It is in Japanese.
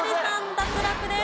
脱落です。